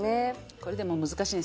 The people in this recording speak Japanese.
これでも難しいね。